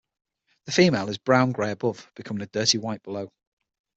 The female is brown-grey above, becoming dirty white below.